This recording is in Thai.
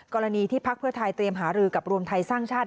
กรณีที่พักเพื่อไทยเตรียมหารือกับรวมไทยสร้างชาติ